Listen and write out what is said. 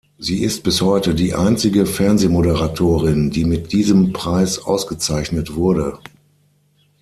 Sie ist bis heute die einzige Fernsehmoderatorin, die mit diesem Preis ausgezeichnet wurde.